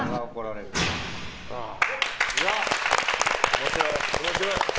面白い。